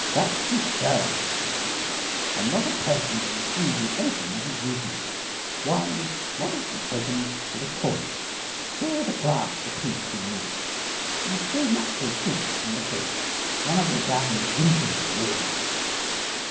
"That you shall," said Peter, "I am not a person to refuse you anything that is reasonable; wine moderately taken is a cordial. Here is a glass apiece for you; it is true natural juice from the grape; none of your damned vintner's brewings."